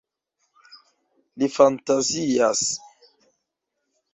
Li fantazias.